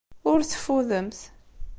Ur teffudemt.